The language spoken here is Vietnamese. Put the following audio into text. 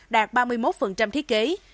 đạt ba mươi một thiết kế